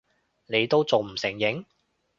你都仲唔承認！